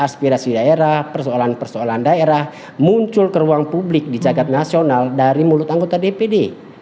jadi aspirasi daerah persoalan persoalan daerah muncul ke ruang publik di jagad nasional dari mulut anggota dpd